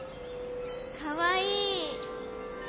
かわいい。